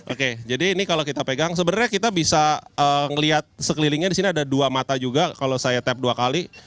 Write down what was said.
oke jadi ini kalau kita pegang sebenarnya kita bisa melihat sekelilingnya disini ada dua mata juga kalau saya tap dua kali